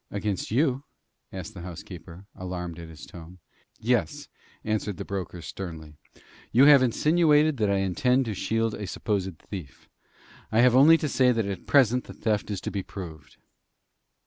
"Against you?" asked the housekeeper, alarmed at his tone. "Yes," answered the broker, sternly. "You have insinuated that I intend to shield a supposed thief. I have only to say that at present the theft is to be proved."